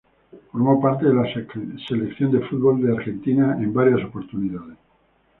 Formó parte de la Selección de fútbol de Argentina en varias oportunidades.